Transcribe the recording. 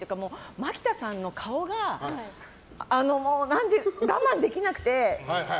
マキタさんの顔がもう、我慢できなくて。